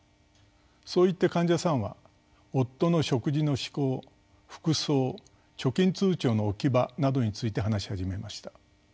そう言って患者さんは夫の食事の嗜好服装貯金通帳の置き場などについて話し始めました。